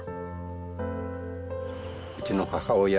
うちの母親